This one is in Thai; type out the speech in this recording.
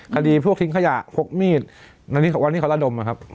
คดีพวกทิ้งขยะพกมีดอันนี้เขาระดมนะครับ